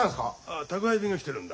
あ宅配便が来てるんだ。